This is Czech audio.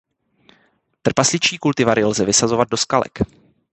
Trpasličí kultivary lze vysazovat do skalek.